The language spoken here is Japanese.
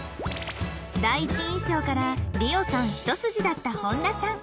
第一印象から莉桜さん一筋だった本田さん